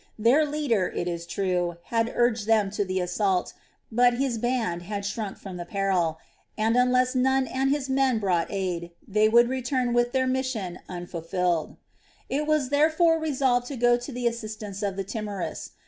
Their leader, it is true, had urged them to the assault, but his band had shrunk from the peril and, unless Nun and his men brought aid, they would return with their mission unfulfilled. It was therefore resolved to go to the assistance of the timorous.